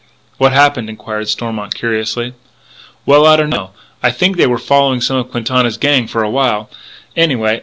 "What happened?" inquired Stormont curiously. "Well I don't know. I think they were following some of Quintana's gang for a while, anyway.